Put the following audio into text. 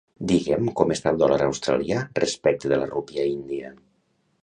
Digue'm com està el dòlar australià respecte de la rúpia índia.